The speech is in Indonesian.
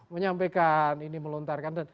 menyampaikan ini melontarkan